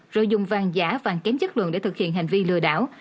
rồi dùng vàng giả vàng kém chất lượng để thực hiện hành vi lừa đảo